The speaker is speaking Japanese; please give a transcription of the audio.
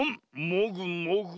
もぐもぐ。